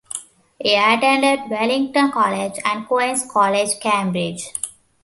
He attended Wellington College and Queens' College, Cambridge.